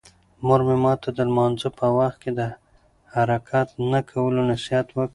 مور مې ماته د لمانځه په وخت د حرکت نه کولو نصیحت وکړ.